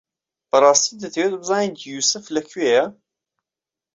بەڕاستی دەتەوێت بزانیت یووسف لەکوێیە؟